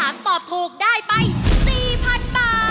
แล้วลวงพ่อสามตอบถูกได้ไป๔๐๐๐บาท